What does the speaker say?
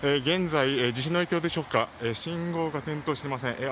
現在、地震の影響でしょうか信号が点灯していません。